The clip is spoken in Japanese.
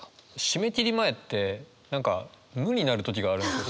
締め切り前って何か無になる時がある。